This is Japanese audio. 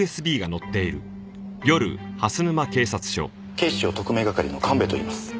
警視庁特命係の神戸といいます。